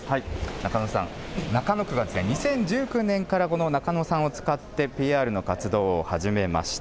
ナカノさん、中野区が２０１９年からこのナカノさんを使ってＰＲの活動を始めました。